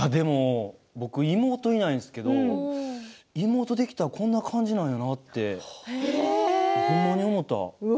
僕は妹がいないですけど妹ができたらこんな感じなんだなってほんまに思った。